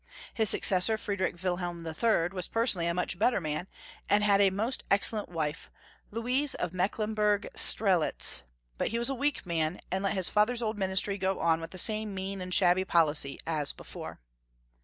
His successor, Friedrich Wilhelm III., was personally a much better man, and had a most excellent wife, Louise of Mecklenburg Strelitz, but he was a weak man, and let his father's old ministry go on with the same mean and shabby policy as before.